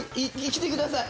来てください。